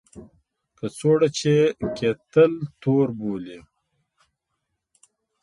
کڅوړه چې کیټل تور بولي.